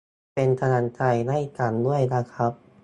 เป็นกำลังใจให้กันด้วยนะครับ